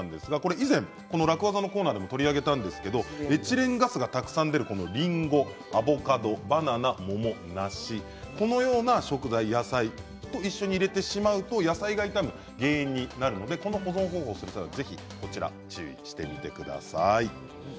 以前、この楽ワザのコーナーでも取り上げたんですけどエチレンガスがたくさん出るりんご、アボカド、バナナ桃、梨、このような食材野菜と一緒に入れてしまうと野菜が傷む原因になるのでこの保存方法をする際は注意してみてください。